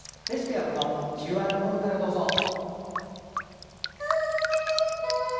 レシピはＱＲコードからどうぞ。